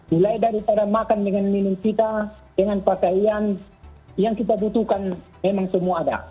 mulai daripada makan dengan minum kita dengan pakaian yang kita butuhkan memang semua ada